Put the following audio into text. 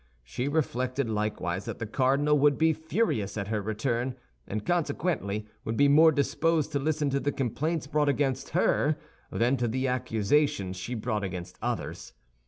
She reflected likewise that the cardinal would be furious at her return, and consequently would be more disposed to listen to the complaints brought against her than to the accusations she brought against others.